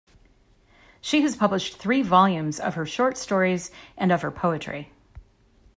She has published three volumes of her short stories and of her poetry.